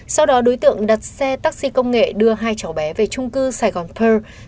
sau đó đối tượng đặt xe taxi công nghệ đưa hai cháu bé về trung cư sài gòn peer